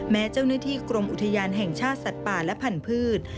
แม้เจ้าหน้าที่กรมอุทยานแห่งชาติสัตว์ป่าและพันธุ์